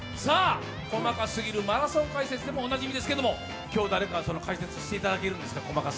細かすぎるマラソン解説でもおなじみですけれども、今日誰か解説していただけるんですか？